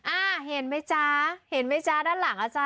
อ่าเห็นไหมจ๊ะเห็นไหมจ๊ะด้านหลังอ่ะจ๊